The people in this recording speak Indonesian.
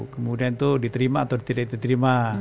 kemudian itu diterima atau tidak diterima